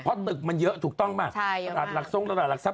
เพราะตึกมันเยอะถูกต้องมากหลักทรงหลักทรัพย์